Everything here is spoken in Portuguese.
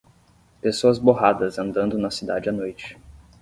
Pessoas borradas andando na cidade à noite.